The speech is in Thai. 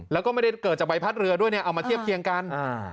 แล้วก็ไม่ได้เกิดจากใบพัดเรือด้วยเนี่ยเอามาเทียบเคียงกันอ่า